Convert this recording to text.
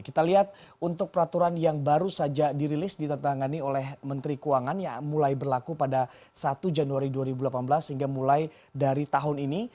kita lihat untuk peraturan yang baru saja dirilis ditantangani oleh menteri keuangan yang mulai berlaku pada satu januari dua ribu delapan belas sehingga mulai dari tahun ini